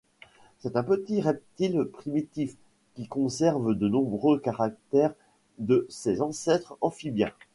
C'est un petit reptile primitif, qui conserve de nombreux caractères de ses ancêtres amphibiens.